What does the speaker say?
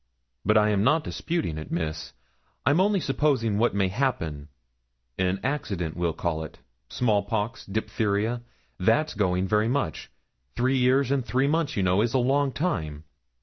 'But I am not disputing it, Miss; I'm only supposing what may happen an accident, we'll call it small pox, diphtheria, that's going very much. Three years and three months, you know, is a long time.